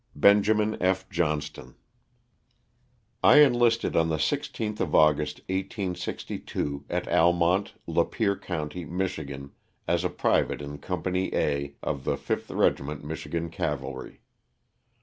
BENJAMIN F. JOHNSTON. T ENLISTED on the 16th of August, 1862, at Almont, Lapeer county, Mich., as a private in Company A of the 5th Regiment Michigan Cavalry.